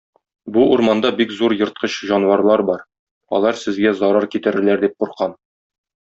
Бу урманда бик зур ерткыч җанварлар бар, алар сезгә зарар китерерләр дип куркам.